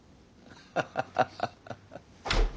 ハハハハハ。